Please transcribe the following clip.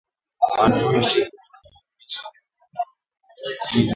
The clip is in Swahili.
Maandamano dhidi ya serikali ya kijeshi yameendelea tangu mapinduzi ya mwezi Oktoba